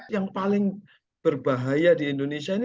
yang paling berbahaya di indonesia ini